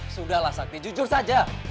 sudahlah sakti jujur saja